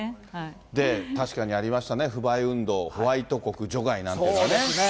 で、確かにありましたね、不買運動、ホワイト国除外なんていそうですね。